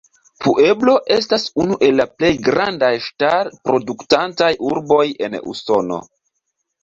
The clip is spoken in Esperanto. Pueblo estas unu el la plej grandaj ŝtal-produktantaj urboj en Usono.